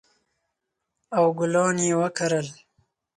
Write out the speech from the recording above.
او ګلان یې وکرل